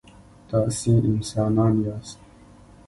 تاسي انسانان یاست.